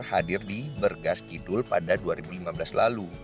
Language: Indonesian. hadir di bergas kidul pada dua ribu lima belas lalu